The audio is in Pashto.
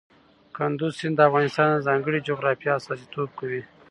کندز سیند د افغانستان د ځانګړي جغرافیه استازیتوب کوي.